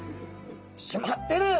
締まってる！